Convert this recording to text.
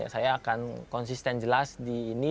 saya akan konsisten jelas di ini